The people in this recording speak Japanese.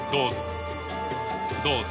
どうぞ。